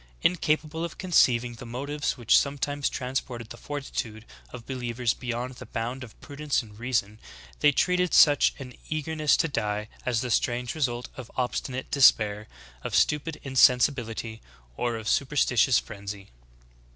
Incapable of conceiving the motives which sometimes transported the fortitude of believers beyond the bounds of prudence and reason, they treated such an eag erness to die as the strange result of obstinate despair, of stupid insensibility or of superstitious frenzy.''